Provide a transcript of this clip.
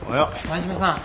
前島さん